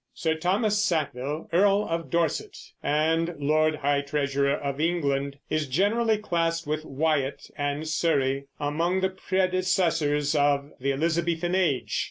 Sir Thomas Sackville, Earl of Dorset and Lord High Treasurer of England, is generally classed with Wyatt and Surrey among the predecessors of the Elizabethan Age.